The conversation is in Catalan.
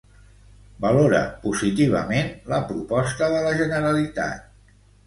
Valora positivament la proposta de la Generalitat.